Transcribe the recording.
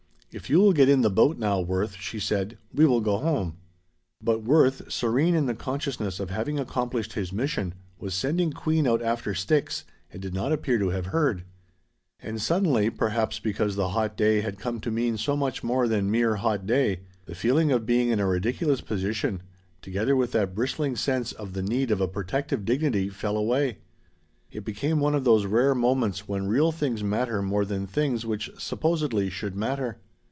"If you will get in the boat now, Worth," she said, "we will go home." But Worth, serene in the consciousness of having accomplished his mission, was sending Queen out after sticks and did not appear to have heard. And suddenly, perhaps because the hot day had come to mean so much more than mere hot day, the feeling of being in a ridiculous position, together with that bristling sense of the need of a protective dignity, fell away. It became one of those rare moments when real things matter more than things which supposedly should matter.